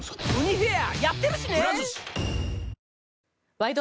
「ワイド！